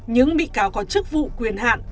những bị cáo có chức vụ quyền hạn